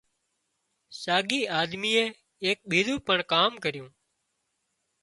اِ ساڳِي آۮميئي ايڪ ٻِيزُون پڻ ڪام ڪريون